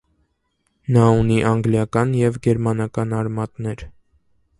Նա ունի անգլիական և գերմանական արմատներ։